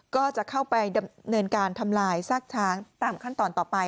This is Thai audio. ก็จะเข้าไปดำเนินการทำลายซากช้างตามขั้นตอนต่อไป